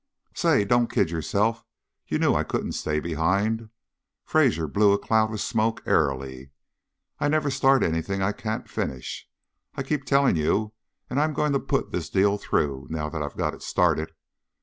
"Say, don't kid yourself. You knew I couldn't stay behind." Fraser blew a cloud of smoke airily. "I never start anything I can't finish, I keep telling you, and I'm going to put this deal through, now that I've got it started."